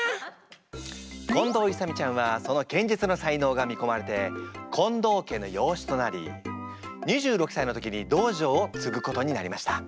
近藤勇ちゃんはその剣術の才能が見込まれて近藤家の養子となり２６歳の時に道場をつぐことになりました。